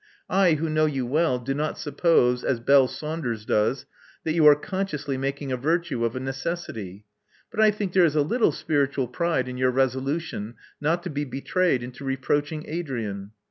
I, who know you well, do not suppose, as Belle Saunders does, that you are consciously making a virtue of a necessity; but I think there is a little spiritual pride in your resolution not to be betrayed into reproaching Adrian.